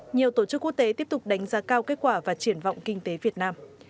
nhiều tổ chức quốc tế tiếp tục đánh giá cao kết quả và triển vọng kinh tế việt nam